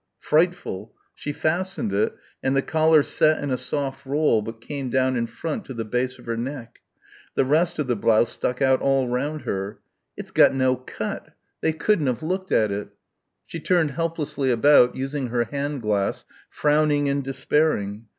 Frightful ... she fastened it, and the collar set in a soft roll but came down in front to the base of her neck. The rest of the blouse stuck out all round her ... "it's got no cut ... they couldn't have looked at it." ... She turned helplessly about, using her hand glass, frowning and despairing.